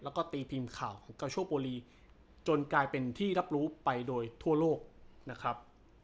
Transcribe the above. แล้วก็ตีพิมพ์ข่าวของกาโชโปรีจนกลายเป็นที่รับรู้ไปโดยทั่วโลกนะครับ